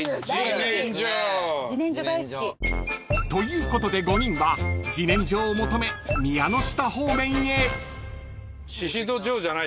［ということで５人は自然薯を求め宮ノ下方面へ］